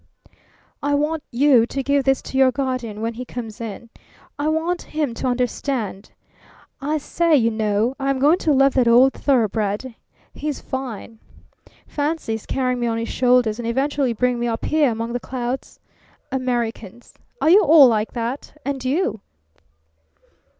"I want you to give this to your guardian when he comes in. I want him to understand. I say, you know, I'm going to love that old thoroughbred! He's fine. Fancy his carrying me on his shoulders and eventually bringing me up here among the clouds! Americans.... Are you all like that? And you!"